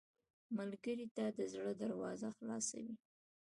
ملګری ته د زړه دروازه خلاصه وي